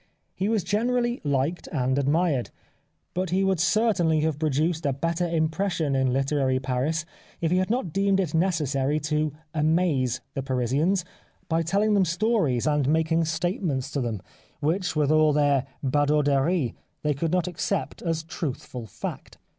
He was generally liked and admired, but he would certainly have 229 The Life of Oscar Wilde produced a better impression in literary Paris if he had not deemed it necessary to " amaze " the Parisians by telUng them stories and making statements to them, which with all their had auderie they could not accept as truthful fact.